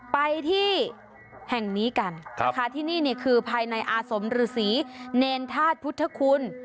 ไปที่แห่งนี้กันนะคะที่นี่คือภายในอาสมฤษีเนรธาตุพุทธคุณ